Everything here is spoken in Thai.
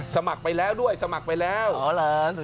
สมัครไปแล้วด้วยสมัครไปแล้วเหรอแล้วสุดยอด